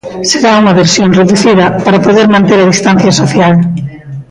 Será unha versión reducida para poder manter a distancia social.